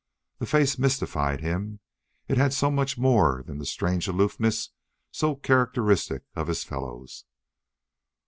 The face mystified him. It had so much more than the strange aloofness so characteristic of his fellows.